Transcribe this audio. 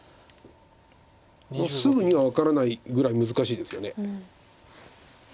すぐには分からないぐらい難しいですよね。